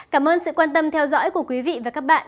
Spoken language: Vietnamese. cảm ơn sự quan tâm theo dõi của quý vị và các bạn